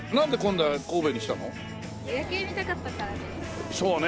夜景見たかったからです。